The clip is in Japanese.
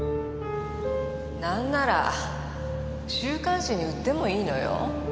なんなら週刊誌に売ってもいいのよ。